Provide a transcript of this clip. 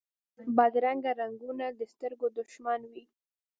بدرنګه رنګونه د سترګو دشمن وي